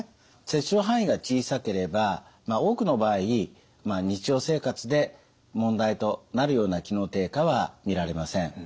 切除範囲が小さければ多くの場合日常生活で問題となるような機能低下は見られません。